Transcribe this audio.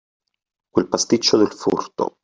Quel pasticcio del furto